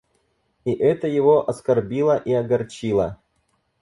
И это его оскорбило и огорчило.